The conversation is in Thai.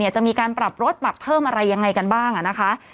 จะมีการปรับลดปรับเพิ่มอะไรยังไงกันบ้างนะคะ